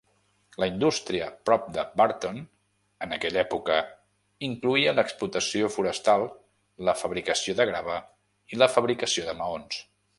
La indústria prop de Burton en aquella època incloïa l'explotació forestal, la fabricació de grava i la fabricació de maons.